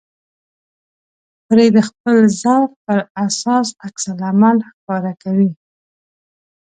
پرې د خپل ذوق په اساس عکس العمل ښکاره کوي.